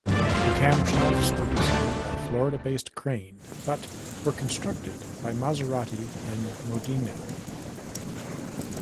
The camshafts were designed by Florida-based Crane but were constructed by Maserati in Modena.